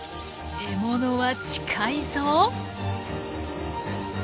「獲物は近いぞ！」。